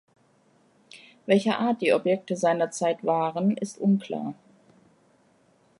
Welcher Art die Objekte seinerzeit waren, ist unklar.